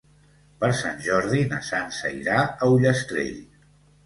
Per Sant Jordi na Sança irà a Ullastrell.